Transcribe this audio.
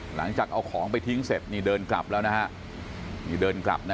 หลังจากเอาของไปทิ้งเสร็จนี่เดินกลับแล้วนะฮะนี่เดินกลับนะ